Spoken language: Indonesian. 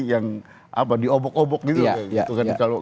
yang di obok obok gitu